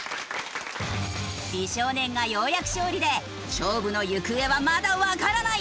美少年がようやく勝利で勝負の行方はまだわからない。